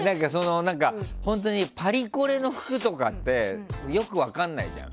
パリコレの服とかってよく分かんないじゃん。